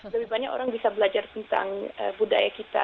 lebih banyak orang bisa belajar tentang budaya kita